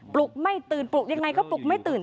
ลุกไม่ตื่นปลุกยังไงก็ปลุกไม่ตื่น